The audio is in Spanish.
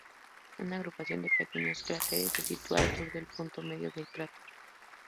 Una agrupación de pequeños cráteres se sitúa al sur del punto medio del cráter.